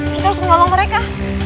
kita harus mengolong mereka